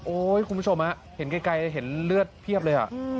คุณผู้ชมเห็นไกลเห็นเลือดเพียบเลย